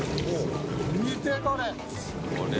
・見てこれ！